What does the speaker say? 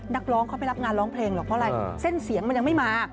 นักร้องเขาไปรับงานร้องเพลงหรอกเพราะอะไรเส้นเสียงมันยังไม่มา